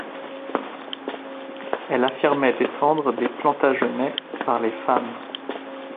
Elle affirmait descendre des Plantagenêts par les femmes.